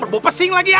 pebingung lagi ya